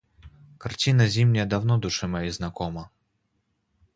Картина зимняя давно душе моей знакома.